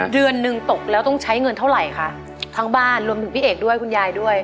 เดือนหนึ่งตกแล้วต้องใช้เงินเท่าไหร่คะทั้งบ้านรวมถึงพี่เอกด้วยคุณยายด้วย